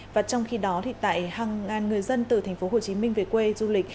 và trong khi đó tại hàng ngàn người dân từ tp hcm về quê du lịch